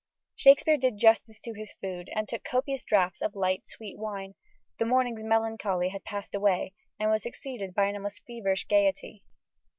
Shakespeare did justice to his food, and took copious draughts of light sweet wine: the morning's melancholy had passed away, and was succeeded by an almost feverish gaiety.